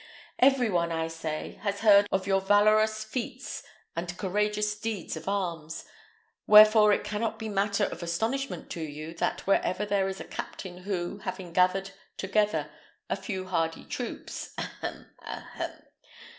Every one, I say, has heard of your valorous feats and courageous deeds of arms; wherefore it cannot be matter of astonishment to you, that wherever there is a captain who, having gathered together a few hardy troops ahem! ahem!